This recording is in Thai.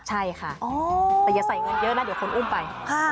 ใช่ค่ะแต่อย่าใส่เงินเยอะนะเดี๋ยวคนอุ้มไป